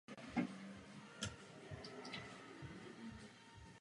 Byla později přestavěná na barokní panský dvůr ve stylu venkovského zámečku.